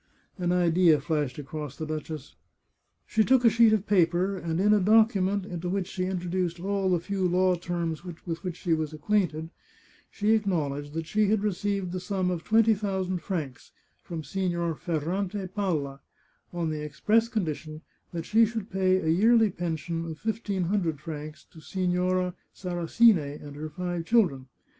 " An idea flashed across the duchess. She took a sheet of paper, and in a document into which she introduced all the few law terms with which she was acquainted, she ac knowledged that she had received the sum of twenty thou sand francs from Signor Ferrante Palla, on the express con dition that she should pay a yearly pension of fifteen hundred francs to Signora Sarasine and her five children.